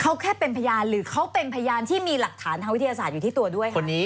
เขาแค่เป็นพยานหรือเขาเป็นพยานที่มีหลักฐานทางวิทยาศาสตร์อยู่ที่ตัวด้วยค่ะ